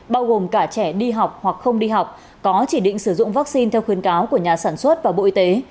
bao gồm cả trẻ đi học hoặc không đi học có chỉ định sử dụng vaccine theo khuyến cáo của nhà sản xuất và bộ y tế